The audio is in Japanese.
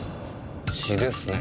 血ですね。